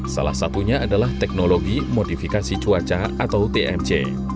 salah satunya adalah teknologi modifikasi cuaca atau tmc